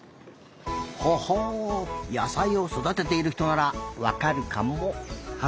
ほほう野さいをそだてているひとならわかるかも。